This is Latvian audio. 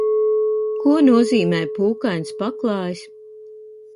Ko nozīmē pūkains paklājs?